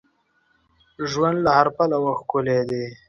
ژوند له هر پلوه ښکلی دی.